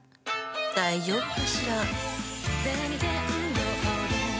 大丈夫かしら？